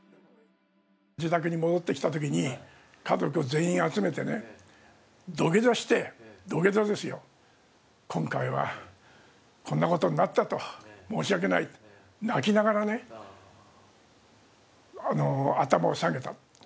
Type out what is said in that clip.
自宅に戻ってきたときに、家族全員集めて土下座して、土下座ですよ、今回はこんなことになったと、申し訳ない、泣きながらね、頭を下げた。